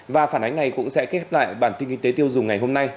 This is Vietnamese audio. và phản ánh này cũng sẽ kết hợp bản tin kinh tế tiêu dùng ngày hôm nay